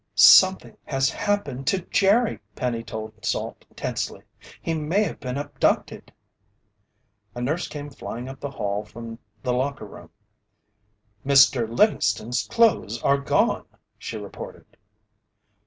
"Something has happened to Jerry!" Penny told Salt tensely. "He may have been abducted!" A nurse came flying up the hall from the locker room. "Mr. Livingston's clothes are gone!" she reported.